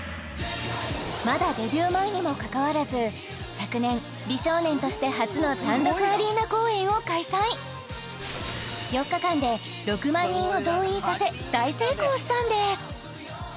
まだデビュー前にもかかわらず昨年美少年として初の単独アリーナ公演を開催させ大成功したんです